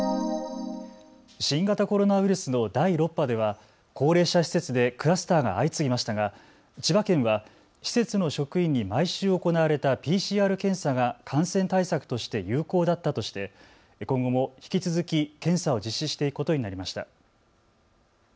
新型コロナウイルスの第６波では高齢者施設でクラスターが相次ぎましたが千葉県は施設の職員に毎週行われたＰＣＲ検査が感染対策として有効だったとして今後も引き続き検査を実施していくことになりました。